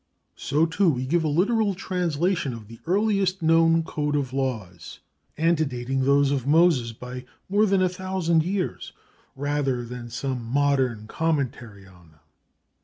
So, too, we give a literal translation of the earliest known code of laws, antedating those of Moses by more than a thousand years, rather than some modern commentary on them.